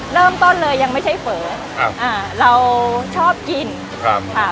เริ่มต้นเลยยังไม่ใช่เฝอครับอ่าเราชอบกินครับค่ะ